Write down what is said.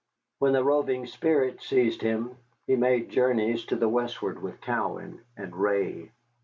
When the roving spirit seized him he made journeys to the westward with Cowan and Ray.